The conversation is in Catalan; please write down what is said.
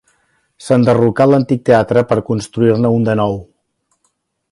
S'enderrocà l'antic teatre per a construir-ne un de nou.